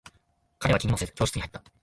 彼は気にもせず、教室に入った。